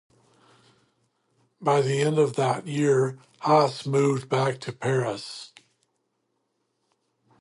By the end of that year Haass moved back to Paris.